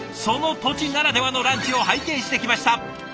その土地ならではのランチを拝見してきました。